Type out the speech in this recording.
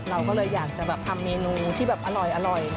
เราก็เลยอยากจะแบบทำเมนูที่แบบอร่อย